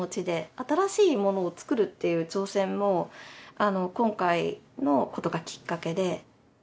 新しいものを作るっていう挑戦も今回の事がきっかけで。